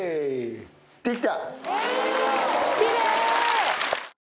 できた。